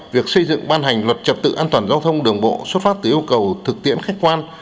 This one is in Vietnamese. việc xây dựng ban hành luật trật tự an toàn giao thông đường bộ xuất phát từ yêu cầu thực tiễn khách quan